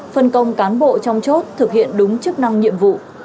phân công cán bộ trong chốt thực hiện đúng chức năng nhiệm vụ